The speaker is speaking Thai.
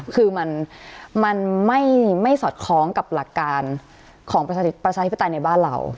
คือมันไม่สอดคล้องกับหลักการของประชาธิปไตยในบ้านเรา